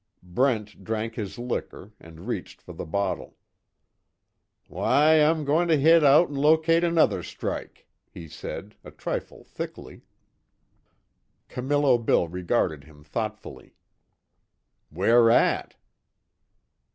Brent drank his liquor, and reached for the bottle: "Why, I'm going to hit out and locate another strike," he said, a trifle thickly. Camillo Bill regarded him thoughtfully: "Where at?"